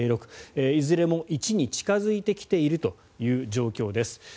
いずれも１に近付いてきている状況です。